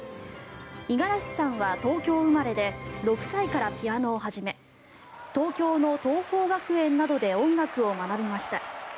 五十嵐さんは東京生まれで６歳からピアノを始め東京の桐朋学園などで音楽を学びました。